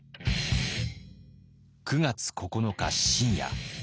９月９日深夜。